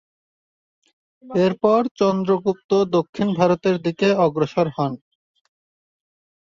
এরপর চন্দ্রগুপ্ত দক্ষিণ ভারতের দিকে অগ্রসর হন।